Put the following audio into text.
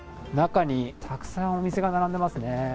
中にたくさんお店が並んでいますね。